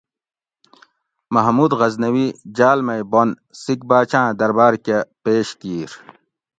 محمود غزنوی جال مئ بن سیکھ باۤچاۤں دربار کہ پیش کیِر